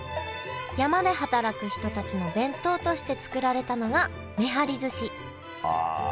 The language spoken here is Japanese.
山で働く人たちの弁当として作られたのがめはりずしああ。